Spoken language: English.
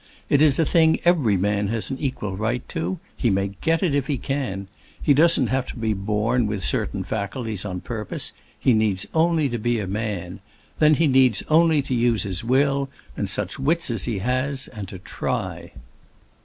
It is a thing every man has an equal right to; he may get it if he can. He doesn't have to be born with certain faculties, on purpose; he needs only to be a man. Then he needs only to use his will, and such wits as he has, and to try."